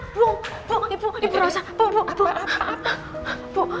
ibu ibu ibu ibu ibu